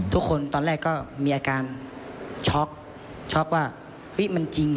ตอนแรกก็มีอาการช็อกช็อกว่าเฮ้ยมันจริงเหรอ